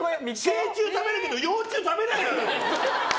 成虫は食べるけど幼虫は食べないの！